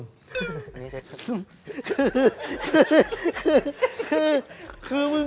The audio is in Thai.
แกก้แขี่ยวด้วย